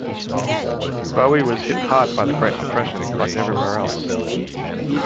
Bowie was hit hard by the Great Depression like everywhere else.